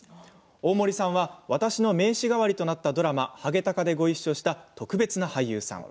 大森さんは私の名刺代わりとなったドラマ「ハゲタカ」で、ごいっしょした特別な俳優さん。